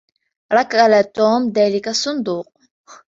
ركل توم ذلك الصندوق.